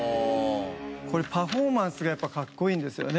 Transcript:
これパフォーマンスがやっぱかっこいいんですよね